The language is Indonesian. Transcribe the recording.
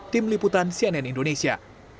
tim liputan cnn indonesia